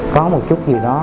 có một chút gì đó